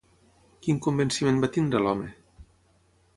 Quin convenciment va tenir l'home?